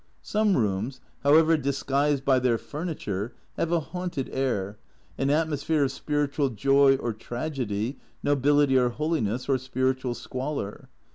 Some rooms, however disguised by their furniture, have a haunted air, an atmosphere of spiritual joy or tragedy, nobility or holiness, or spiritual squalor.